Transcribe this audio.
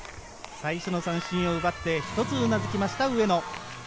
最初の三振を奪って一つうなずきました、上野。